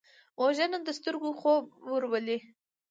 وژنه د سترګو خوب ورولي